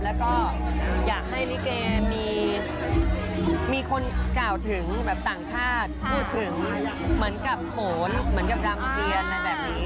แล้วก็อยากให้ลิเกมีคนกล่าวถึงแบบต่างชาติพูดถึงเหมือนกับโขนเหมือนกับรามเกียรอะไรแบบนี้